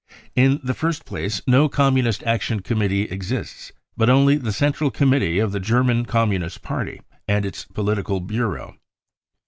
In the first place no Communist Action Committee exists, but only the Central Committee of the German Communist Party and its Political Bureau.